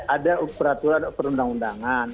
ada peraturan perundang undangan